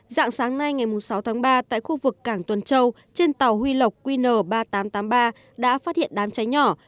dạng sáng nay ngày sáu tháng ba tại khu vực cảng tuần châu trên tàu huy lộc qn ba nghìn tám trăm tám mươi ba đã phát hiện đám cháy nhỏ